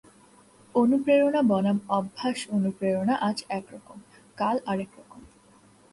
অনুপ্রেরণা বনাম অভ্যাসঅনুপ্রেরণা আজ একরকম, কাল আরেক রকম।